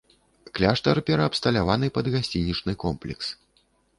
Кляштар пераабсталяваны пад гасцінічны комплекс.